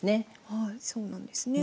はいそうなんですね。